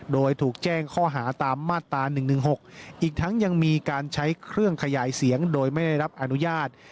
โดยถูกแจ้งข้อหาตามมาตรา๑๑๖อีกทั้งยังมีการใช้เครื่องขยายเสียงโดยไม่ได้รับอนุญาต